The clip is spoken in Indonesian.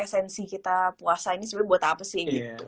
esensi kita puasa ini sebenarnya buat apa sih gitu